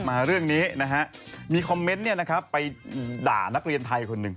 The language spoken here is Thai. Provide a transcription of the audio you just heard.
มาเรื่องนี้นะฮะมีคอมเมนต์ไปด่านักเรียนไทยคนหนึ่ง